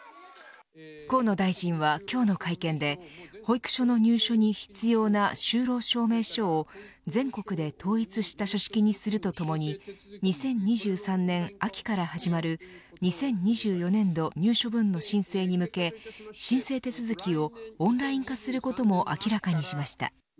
河野大臣は今日の会見で保育所の入所に必要な就労証明書を全国で統一した書式にするとともに２０２３年秋から始まる２０２４年度入所分の申請に向け申請手続きをオンライン化することも明らかにしました。